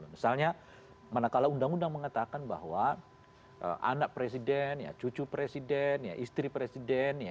misalnya manakala undang undang mengatakan bahwa anak presiden cucu presiden istri presiden